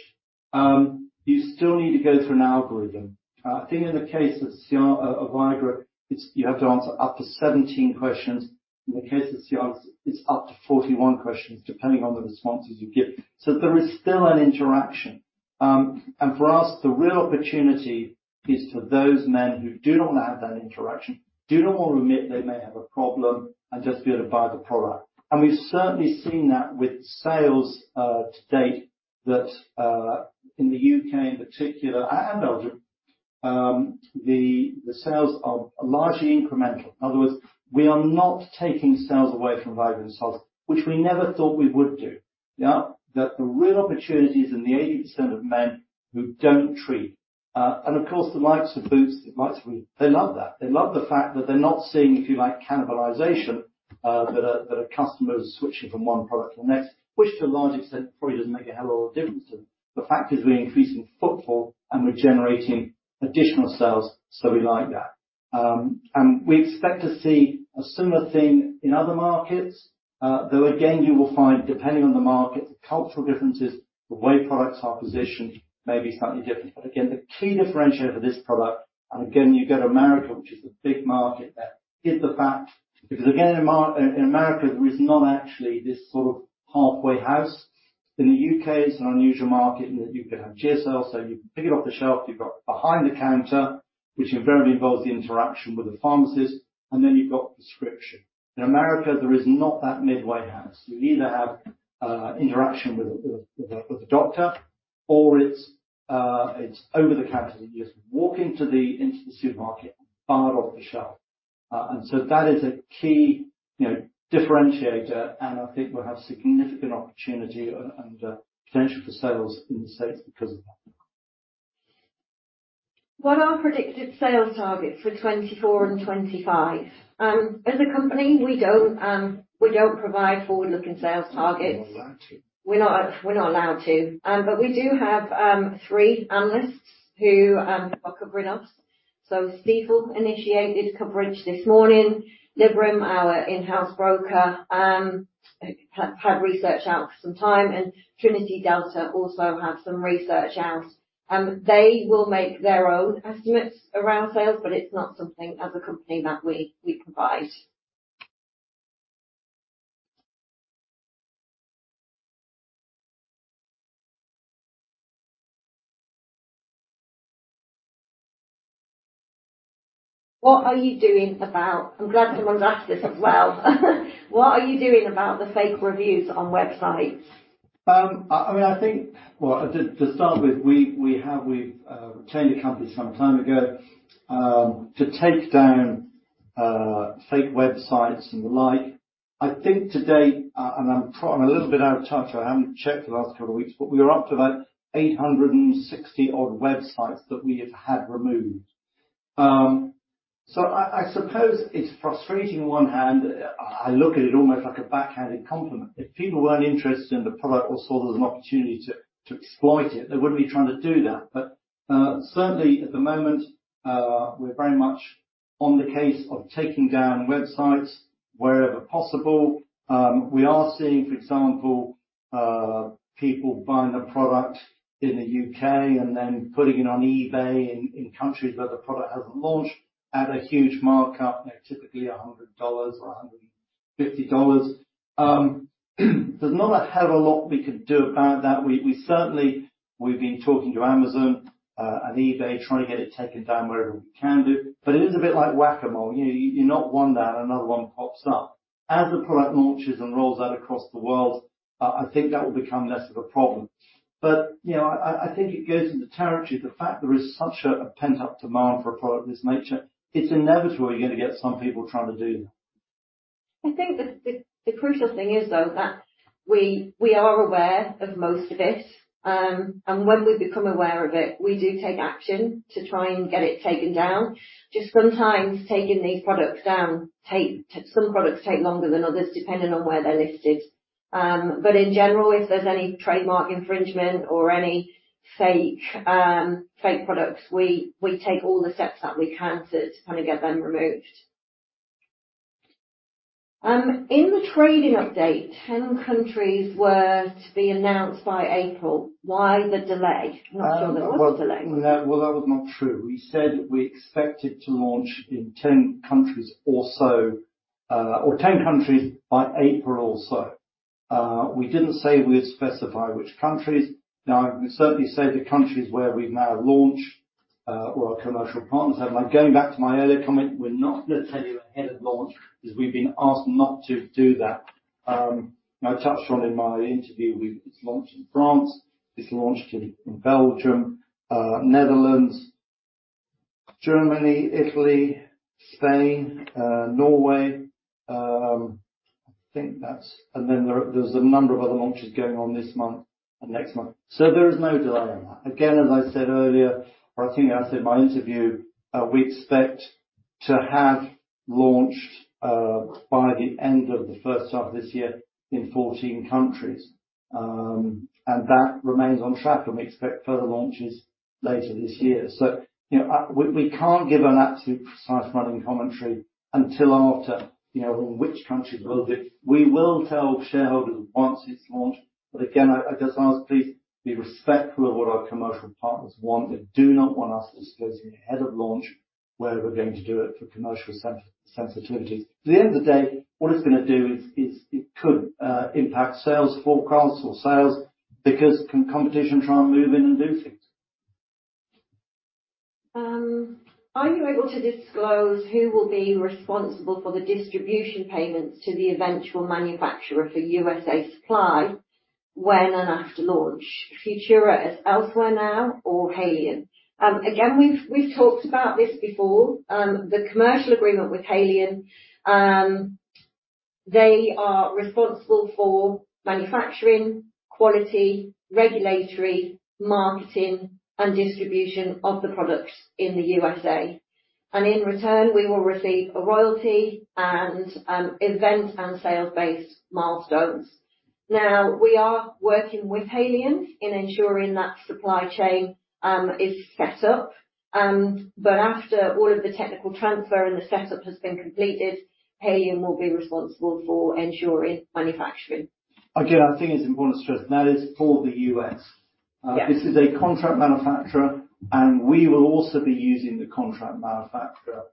You still need to go through an algorithm. I think in the case of Viagra, it's you have to answer up to 17 questions. In the case of Cialis, it's up to 41 questions, depending on the responses you give. So there is still an interaction. And for us, the real opportunity is for those men who do not want to have that interaction, do not want to admit they may have a problem, and just be able to buy the product. And we've certainly seen that with sales to date that in the UK in particular, and Belgium, the sales are largely incremental. In other words, we are not taking sales away from Viagra and Cialis, which we never thought we would do. Yeah, that the real opportunity is in the 80% of men who don't treat. And of course, the likes of Boots, the likes of... They love that. They love the fact that they're not seeing, if you like, cannibalization, that a customer is switching from one product to the next, which to a large extent, probably doesn't make a hell of a difference to them. The fact is, we're increasing footfall and we're generating additional sales, so we like that. We expect to see a similar thing in other markets. Though, again, you will find, depending on the market, the cultural differences, the way products are positioned may be slightly different. But again, the key differentiator for this product, and again, you go to America, which is a big market, that is the fact, because again, in America, there is not actually this sort of halfway house. In the UK, it's an unusual market, in that you can have GSL, so you can pick it off the shelf, you've got behind the counter, which invariably involves the interaction with the pharmacist, and then you've got prescription. In America, there is not that midway house. You either have interaction with a doctor, or it's over the counter, that you just walk into the supermarket and buy it off the shelf. And so that is a key, you know, differentiator, and I think we'll have significant opportunity and potential for sales in the States because of that.
What are predicted sales targets for 2024 and 2025?" As a company, we don't, we don't provide forward-looking sales targets.
We're not allowed to.
We're not, we're not allowed to. But we do have three analysts who are covering us. So Stifel initiated coverage this morning, Liberum, our in-house broker, had research out for some time, and Trinity Delta also have some research out. They will make their own estimates around sales, but it's not something as a company that we, we provide. What are you doing about - I'm glad someone's asked this as well. What are you doing about the fake reviews on websites?
I mean, I think... Well, to start with, we have retained a company some time ago to take down fake websites and the like. I think to date, and I'm a little bit out of touch, I haven't checked the last couple of weeks, but we were up to about 860-odd websites that we have had removed. So I suppose it's frustrating on one hand. I look at it almost like a backhanded compliment. If people weren't interested in the product or saw there was an opportunity to exploit it, they wouldn't be trying to do that. But certainly at the moment, we're very much on the case of taking down websites wherever possible. We are seeing, for example, people buying the product in the UK and then putting it on eBay in countries where the product hasn't launched at a huge markup, you know, typically $100 or $150. There's not a hell of a lot we can do about that. We certainly—we've been talking to Amazon and eBay, trying to get it taken down wherever we can. But it is a bit like whack-a-mole. You knock one down, another one pops up. As the product launches and rolls out across the world, I think that will become less of a problem. But, you know, I think it goes with the territory. The fact there is such a pent-up demand for a product of this nature, it's inevitable you're gonna get some people trying to do that.
I think the crucial thing is, though, that we are aware of most of it. And when we become aware of it, we do take action to try and get it taken down. Just sometimes taking these products down, some products take longer than others, depending on where they're listed. But in general, if there's any trademark infringement or any fake, fake products, we take all the steps that we can to kind of get them removed. In the trading update, 10 countries were to be announced by April. Why the delay? I'm not sure there was a delay.
Well, that was not true. We said we expected to launch in 10 countries or so, or 10 countries by April or so. We didn't say we'd specify which countries. Now, I can certainly say the countries where we've now launched, or our commercial partners have. Like, going back to my earlier comment, we're not going to tell you ahead of launch, because we've been asked not to do that. And I touched on in my interview, we've, it's launched in France, it's launched in Belgium, Netherlands, Germany, Italy, Spain, Norway. I think that's. And then there's a number of other launches going on this month and next month. So there is no delay on that. Again, as I said earlier, or I think I said in my interview, we expect to have launched by the end of the H1 of this year in 14 countries. And that remains on track, and we expect further launches later this year. So, you know, I, we, we can't give an absolute precise timing commentary until after, you know, in which countries will be... We will tell shareholders once it's launched. But again, I, I just ask, please be respectful of what our commercial partners want. They do not want us disclosing ahead of launch where we're going to do it for commercial sensitivities. At the end of the day, what it's gonna do is it could impact sales forecasts or sales, because can competition try and move in and do things?
Are you able to disclose who will be responsible for the distribution payments to the eventual manufacturer for USA supply when and after launch? Futura as elsewhere now or Haleon? Again, we've talked about this before. The commercial agreement with Haleon, they are responsible for manufacturing, quality, regulatory, marketing, and distribution of the products in the USA, and in return, we will receive a royalty and event and sales-based milestones. Now, we are working with Haleon in ensuring that supply chain is set up. But after all of the technical transfer and the setup has been completed, Haleon will be responsible for ensuring manufacturing.
Again, I think it's important to stress, that is for the U.S.
Yes.
This is a contract manufacturer, and we will also be using the contract manufacturer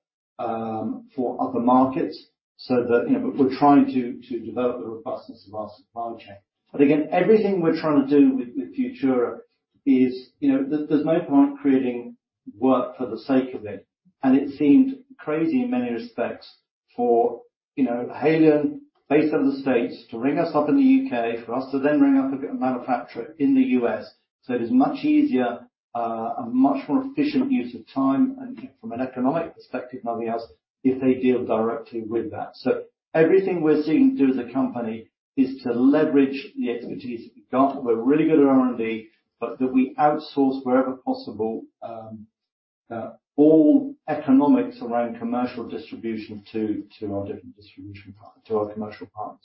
for other markets, so that, you know, but we're trying to develop the robustness of our supply chain. But again, everything we're trying to do with Futura is, you know, there's no point creating work for the sake of it. And it seemed crazy in many respects for, you know, Haleon, based out of the States, to ring us up in the U.K., for us to then ring up a manufacturer in the U.S. So it is a much more efficient use of time and from an economic perspective than nothing else, if they deal directly with that. So everything we're seeking to do as a company is to leverage the expertise that we've got. We're really good at R&D, but that we outsource wherever possible, all economics around commercial distribution to our different distribution partners to our commercial partners....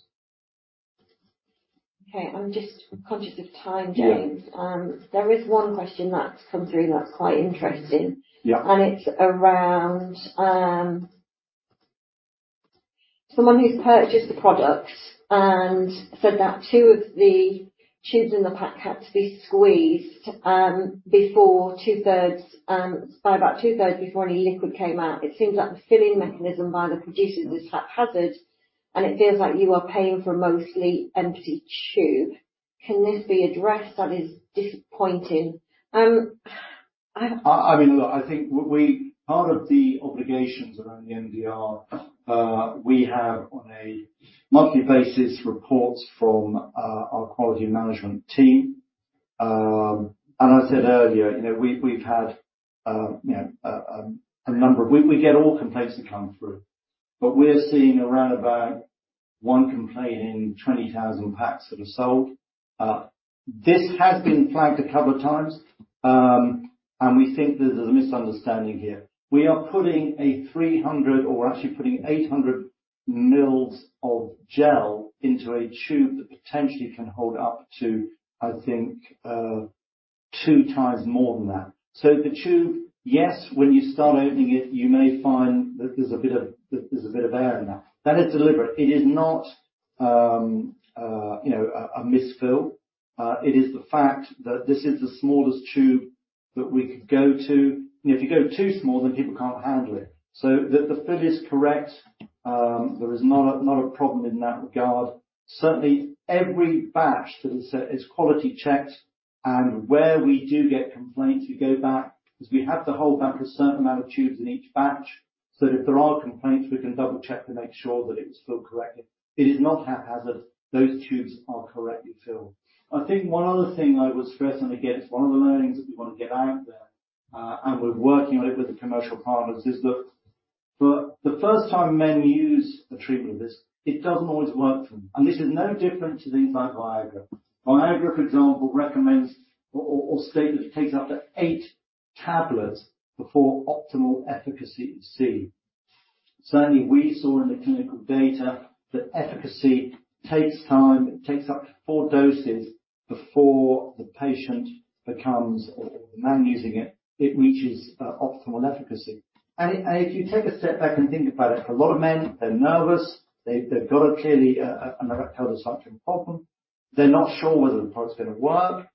Okay, I'm just conscious of time, James.
Yeah.
There is one question that's come through that's quite interesting.
Yeah.
It's around someone who's purchased the product and said that two of the tubes in the pack had to be squeezed before two-thirds, by about two-thirds, before any liquid came out. It seems like the filling mechanism by the producer was haphazard, and it feels like you are paying for a mostly empty tube. Can this be addressed? That is disappointing. I-
I mean, look, I think what we—part of the obligations around the MDR, we have on a monthly basis reports from our quality management team. And I said earlier, you know, we've had a number of... We get all complaints that come through, but we're seeing around about 1 complaint in 20,000 packs that are sold. This has been flagged a couple of times, and we think that there's a misunderstanding here. We are putting 300, or we're actually putting 800 mls of gel into a tube that potentially can hold up to, I think, 2 times more than that. So the tube, yes, when you start opening it, you may find that there's a bit of air in there. That is deliberate. It is not, you know, a misfill. It is the fact that this is the smallest tube that we could go to. If you go too small, then people can't handle it. So the fill is correct. There is not a problem in that regard. Certainly, every batch that is quality checked, and where we do get complaints, we go back, because we have to hold back a certain amount of tubes in each batch, so that if there are complaints, we can double-check to make sure that it was filled correctly. It is not haphazard. Those tubes are correctly filled. I think one other thing I would stress, and again, it's one of the learnings that we want to get out there, and we're working on it with the commercial partners, is that for the first time men use a treatment like this, it doesn't always work for them, and this is no different to things like Viagra. Viagra, for example, recommends or states that it takes up to 8 tablets before optimal efficacy is seen. Certainly, we saw in the clinical data that efficacy takes time. It takes up to 4 doses before the patient becomes, or the man using it, it reaches optimal efficacy. And if you take a step back and think about it, a lot of men, they're nervous, they've got a clearly erectile dysfunction problem. They're not sure whether the product's gonna work.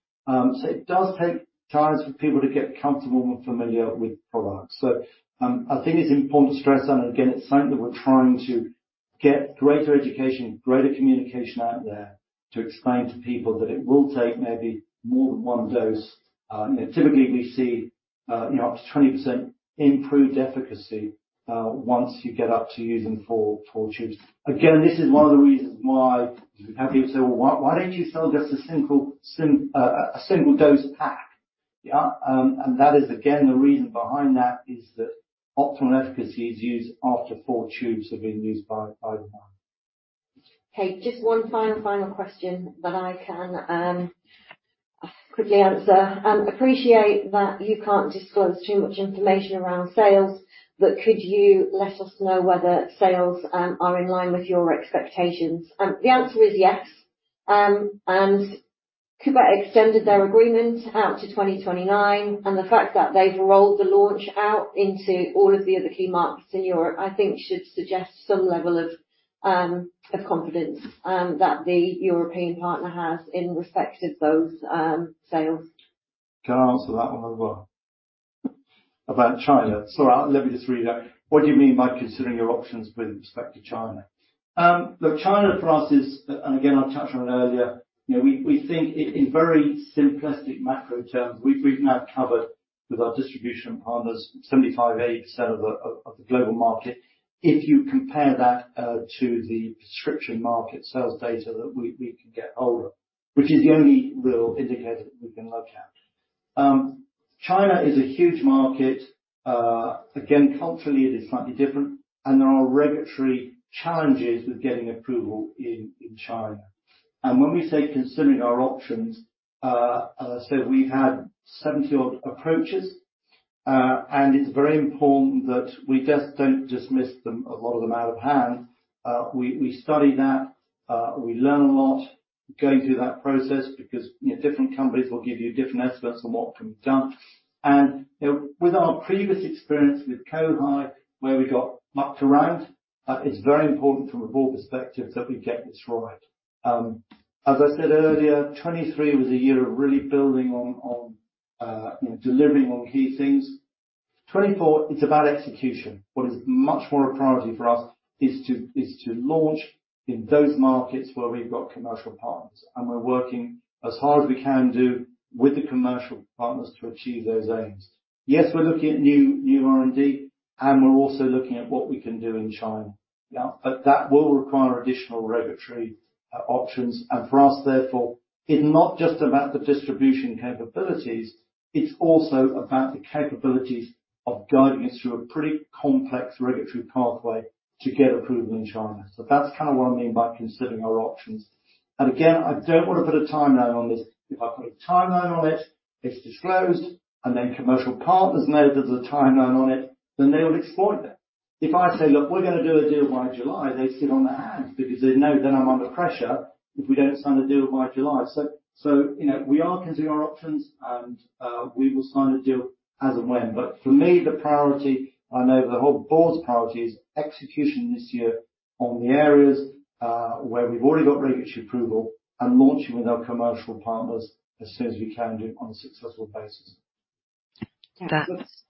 So it does take time for people to get comfortable and familiar with the product. So, I think it's important to stress, and again, it's something that we're trying to get greater education, greater communication out there to explain to people that it will take maybe more than one dose. You know, typically we see, you know, up to 20% improved efficacy, once you get up to using four tubes. Again, this is one of the reasons why we've had people say, "Well, why don't you sell just a simple single-dose pack?" Yeah, and that is again, the reason behind that is that optimal efficacy is used after four tubes have been used by the man.
Okay, just one final, final question that I can quickly answer. "Appreciate that you can't disclose too much information around sales, are in line with your expectations?" The answer is yes. And Cooper extended their agreement out to 2029, and the fact that they've rolled the launch out into all of the other key markets in Europe, I think should suggest some level of confidence that the European partner has in respect of those sales.
Can I answer that one as well? About China. Sorry, let me just read that. "What do you mean by considering your options with respect to China?" Look, China, for us, is, and again, I touched on it earlier, you know, we think in very simplistic macro terms, we've now covered with our distribution partners, 75%-80% of the global market. If you compare that to the prescription market sales data that we can get hold of, which is the only real indicator that we can look at. China is a huge market. Again, culturally it is slightly different, and there are regulatory challenges with getting approval in China. And when we say, considering our options, as I said, we've had 70-odd approaches, and it's very important that we just don't dismiss them, a lot of them out of hand. We study that, we learn a lot going through that process because, you know, different companies will give you different estimates on what can be done. And, you know, with our previous experience with China, where we got up to round, it's very important from a board perspective that we get this right. As I said earlier, 2023 was a year of really building on, you know, delivering on key things. 2024, it's about execution. What is much more a priority for us is to launch in those markets where we've got commercial partners, and we're working as hard as we can do with the commercial partners to achieve those aims. Yes, we're looking at new R&D, and we're also looking at what we can do in China. Yeah. But that will require additional regulatory options, and for us, therefore, it's not just about the distribution capabilities, it's also about the capabilities of guiding us through a pretty complex regulatory pathway to get approval in China. So that's kind of what I mean by considering our options. And again, I don't want to put a timeline on this. If I put a timeline on it, it's disclosed, and then commercial partners know there's a timeline on it, then they will exploit it... If I say, "Look, we're gonna do a deal by July," they sit on their hands, because they know that I'm under pressure if we don't sign a deal by July. So, you know, we are considering our options, and we will sign a deal as and when. But for me, the priority, I know the whole board's priority, is execution this year on the areas where we've already got regulatory approval, and launching with our commercial partners as soon as we can do on a successful basis.
That- Yes.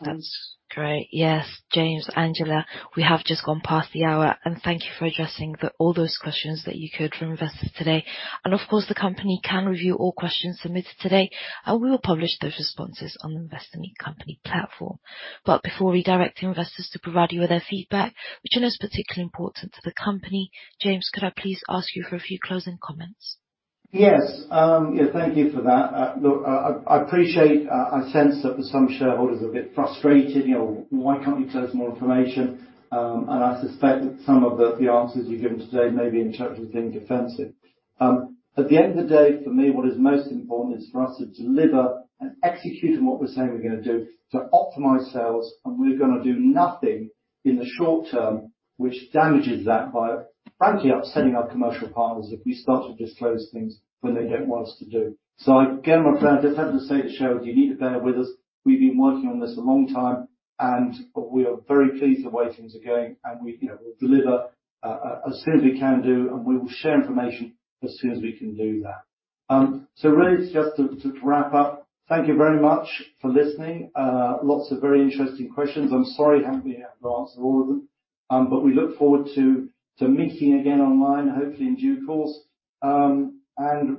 That's great. Yes, James, Angela, we have just gone past the hour, and thank you for addressing all those questions that you could from investors today. And of course, the company can review all questions submitted today, and we will publish those responses on the Investor Meet Company platform. But before we direct investors to provide you with their feedback, which I know is particularly important to the company, James, could I please ask you for a few closing comments?
Yes. Yeah, thank you for that. Look, I, I appreciate, I sense that for some shareholders are a bit frustrated. You know, why can't we disclose more information? I suspect that some of the, the answers you've given today may be interpreted as being defensive. At the end of the day, for me, what is most important is for us to deliver and execute on what we're saying we're gonna do to optimize sales, and we're gonna do nothing in the short term which damages that by frankly upsetting our commercial partners if we start to disclose things when they don't want us to do. So again, my friend, I just have to say to shareholders, you need to bear with us. We've been working on this a long time, and we are very pleased the way things are going, and we, you know, will deliver as soon as we can do, and we will share information as soon as we can do that. So really, just to wrap up, thank you very much for listening. Lots of very interesting questions. I'm sorry I haven't been able to answer all of them. But we look forward to meeting again online, hopefully in due course, and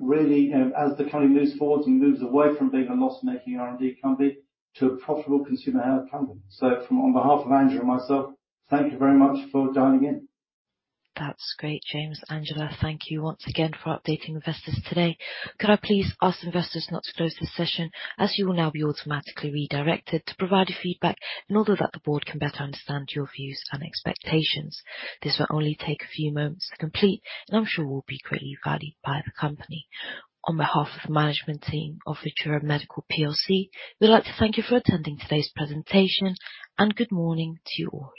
really, you know, as the company moves forward and moves away from being a loss-making R&D company to a profitable consumer health company. So on behalf of Angela and myself, thank you very much for dialing in.
That's great, James. Angela, thank you once again for updating investors today. Could I please ask investors not to close this session, as you will now be automatically redirected to provide your feedback, in order that the board can better understand your views and expectations. This will only take a few moments to complete, and I'm sure will be greatly valued by the company. On behalf of the management team of Futura Medical PLC, we'd like to thank you for attending today's presentation, and good morning to you all.